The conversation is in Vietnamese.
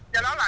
do đó là